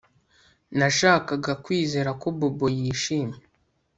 Nashakaga kwizera ko Bobo yishimye